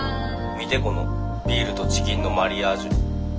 「見てこのビールとチキンのマリアージュ」。